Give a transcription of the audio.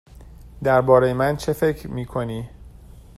درباره من چه فکر می کنی؟